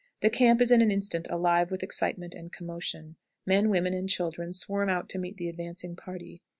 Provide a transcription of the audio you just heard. The camp is in an instant alive with excitement and commotion. Men, women, and children swarm out to meet the advancing party.